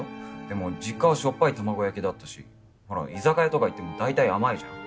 でも実家はしょっぱい卵焼きだったしほら居酒屋とか行ってもだいたい甘いじゃん。